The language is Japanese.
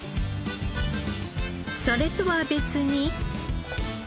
それとは別に。